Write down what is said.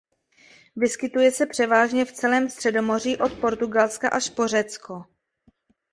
Vyskytuje se převážně v celém Středomoří od Portugalska až po Řecko.